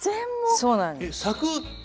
そうなんです。